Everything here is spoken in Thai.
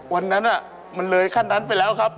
วันนั้นมันเลยขั้นนั้นไปแล้วครับ